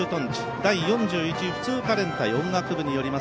第４１普通科連隊音楽部によります